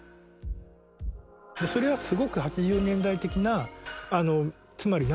それはすごく８０年代的なつまり何て言うのかな。